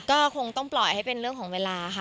ก็คงต้องปล่อยให้เป็นเรื่องของเวลาค่ะ